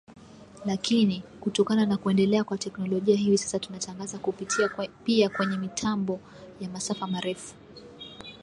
Lakini, kutokana na kuendelea kwa teknolojia hivi sasa tunatangaza kupitia pia kwenye mitambo ya masafa marefu .